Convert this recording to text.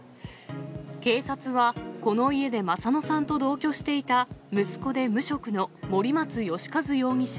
警察はこの家でマサノさんと同居していた、息子で無職の森松良和容疑者